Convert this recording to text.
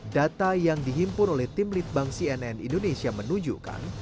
data yang dihimpun oleh tim litbang cnn indonesia menunjukkan